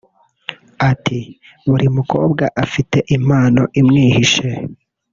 Ati “Buri mukobwa afite impano imwihishe